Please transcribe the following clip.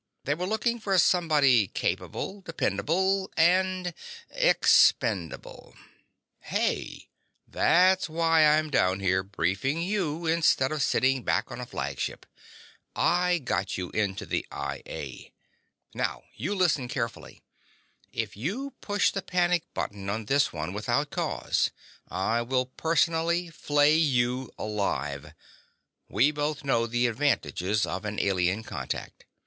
They were looking for somebody capable, dependable ... and ... expendable!" "Hey!" "That's why I'm down here briefing you instead of sitting back on a flagship. I got you into the I A. Now, you listen carefully: If you push the panic button on this one without cause, I will personally flay you alive. We both know the advantages of an alien contact.